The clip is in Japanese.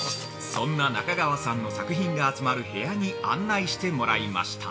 ◆そんな中川さんの作品が集まる部屋に案内してもらいました。